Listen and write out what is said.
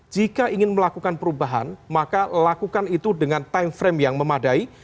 jika ingin melakukan perubahan maka lakukan itu dengan time frame yang memadai